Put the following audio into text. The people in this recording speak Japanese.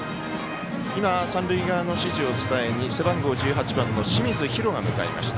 三塁側の指示を伝えに背番号１１番の清水陽路が向かいました。